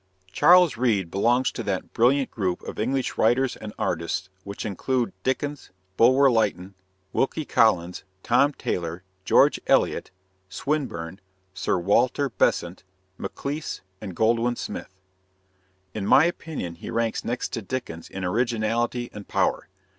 Charles Reade belongs to that brilliant group of English writers and artists which included Dickens, Bulwer Lytton, Wilkie Collins, Tom Taylor, George Eliot, Swinburne, Sir Walter Besant, Maclise, and Goldwin Smith. In my opinion, he ranks next to Dickens in originality and power.